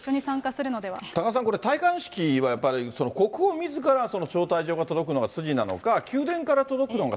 多賀さん、これ、戴冠式はやっぱり国王みずからその招待状が届くのが筋なのか、宮殿から届くのか